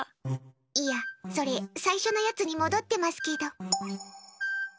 いや、それ最初のやつに戻ってますけど。